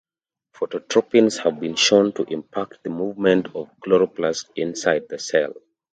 Phototropins have been shown to impact the movement of chloroplast inside the cell.